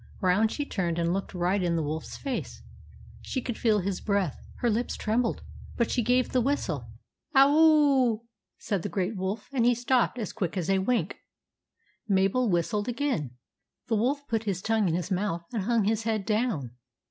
Round she turned and looked right in the wolf's face. She could feel his breath, her lips trembled, but she gave the whistle. io THE ADVENTURES OF MABEL " O o o w !" said the great wolf, and he stopped as quick as a wink. Mabel whistled again. The wolf put his tongue in his mouth and hung his head down.